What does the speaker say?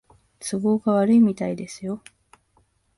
都合が悪いみたいですよ